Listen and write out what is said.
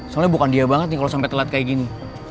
soalnya bukan dia banget nih kalo sampai terlihat kayak gitu